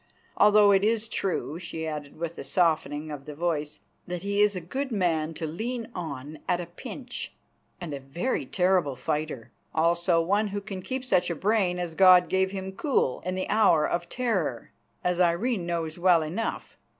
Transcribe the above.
Although it is true," she added with a softening of the voice, "that he is a good man to lean on at a pinch, and a very terrible fighter; also one who can keep such brain as God gave him cool in the hour of terror, as Irene knows well enough.